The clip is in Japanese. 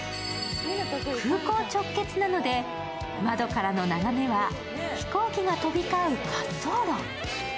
空港直結なので、窓からの眺めは飛行機が飛び交う滑走路。